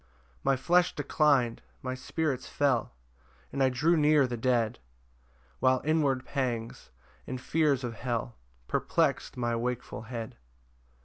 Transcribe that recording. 3 My flesh declin'd, my spirits fell, And I drew near the dead, While inward pangs, and fears of hell Perplex'd my wakeful head.